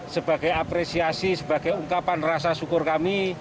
sebagai apresiasi sebagai ungkapan rasa syukur kami